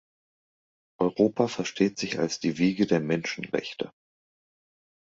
Europa versteht sich als die Wiege der Menschenrechte.